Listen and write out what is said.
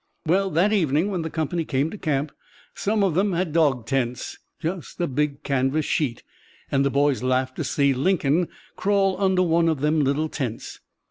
"Well, that evening when the company came to camp, some of them had dog tents just a big canvas sheet and the boys laughed to see Lincoln crawl under one of them little tents.